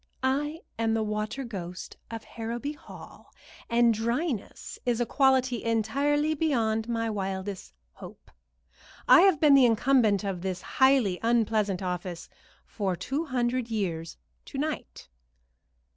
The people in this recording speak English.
I am the Water Ghost of Harrowby Hall, and dryness is a quality entirely beyond my wildest hope. I have been the incumbent of this highly unpleasant office for two hundred years to night."